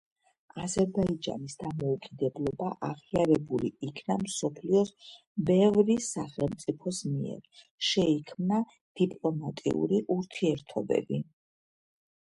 აზერბაიჯანის დამოუკიდებლობა აღიარებულ იქნა მსოფლიოს ბევრი სახელმწიფოს მიერ, შეიქმნა დიპლომატიური ურთიერთობები.